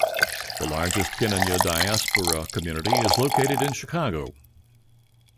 The largest Knanaya diaspora community is located in Chicago.